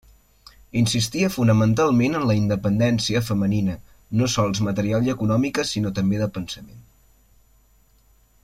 Insistia fonamentalment en la independència femenina no sols material i econòmica sinó també de pensament.